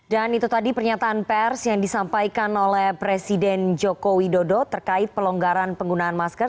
dan itu tadi pernyataan pers yang disampaikan oleh presiden joko widodo terkait pelonggaran penggunaan masker